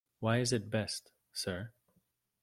Why is it best, sir?